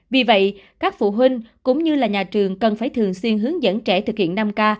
vì vậy các phụ huynh cũng như là nhà trường cần phải thường xuyên hướng dẫn trẻ thực hiện năm k